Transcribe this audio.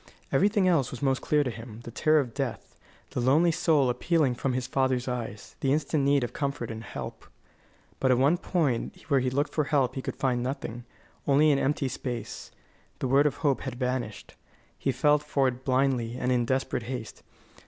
Everything else was most clear to him: the terror of death; the lonely soul appealing from his father's eyes; the instant need of comfort and help. But at the one point where he looked for help he could find nothing; only an empty space. The word of hope had vanished. He felt for it blindly and in desperate haste.